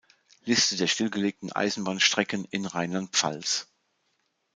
Liste der stillgelegten Eisenbahnstrecken in Rheinland-Pfalz